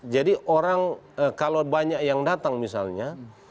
jadi orang kalau banyak yang datang misalnya